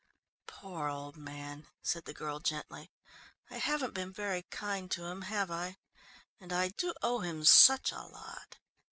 "Poor old man," said the girl gently. "I haven't been very kind to him, have I? And I do owe him such a lot."